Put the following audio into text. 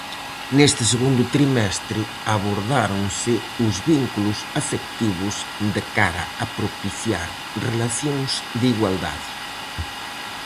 Neste segundo trimestre abordáronse os vínculos afectivos de cara a propiciar relacións de igualdade.